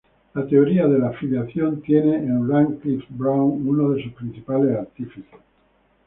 La teoría de la filiación tiene en Radcliffe-Brown uno de sus principales artífices.